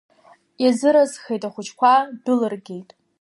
Иазыразхеит, ахәыҷқәа дәылыргеит.